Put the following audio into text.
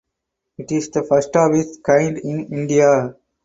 It is first of its kind in India.